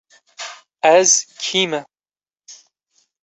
Ez kî me?